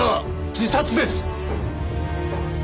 自殺です！